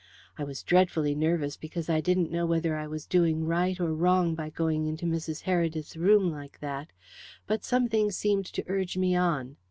I was dreadfully nervous because I didn't know whether I was doing right or wrong by going into Mrs. Heredith's room like that, but something seemed to urge me on.